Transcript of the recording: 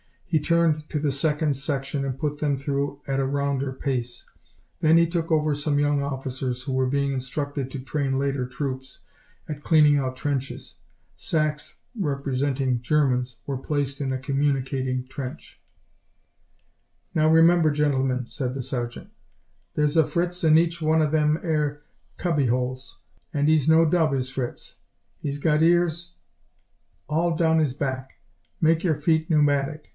He turned to the second section, and put them through at a rounder pace. Then he took over some young officers, who were being instructed to train later troops, at cleaning out trenches. Sacks representing Germans were placed in a communicating trench. "Now, remember, gentlemen," said the sergeant, "there's a Fritz in each one of these 'ere cubby 'oles, and 'e's no dub, is Fritz. 'E's got ears all down 'is back. Make your feet pneumatic.